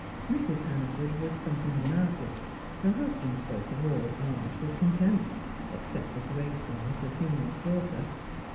Mrs. Hannaford was something of an artist; her husband spoke of all art with contempt except the great art of human slaughter.